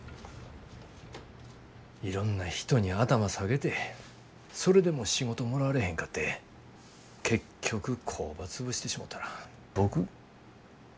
いろんな人に頭下げてそれでも仕事もらわれへんかって結局工場潰してしもたら僕何のために飛行機諦めたんやろ。